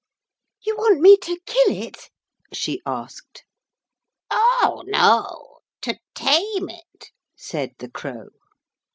'You want me to kill it?' she asked. 'Oh no! To tame it,' said the Crow.